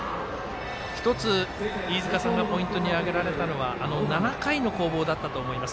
１つ、飯塚さんがポイントにあげられたのは７回の攻防だったと思います。